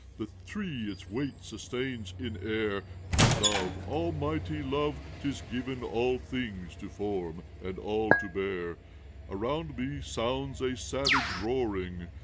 The tree its weight sustains in air, To Love, almighty Love, 't is given All things to form, and all to bear. Around me sounds a savage roaring.